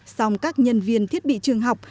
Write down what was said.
song các nhân viên thiết bị trường học